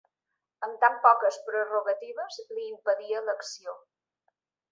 Amb tan poques prerrogatives li impedia l'acció.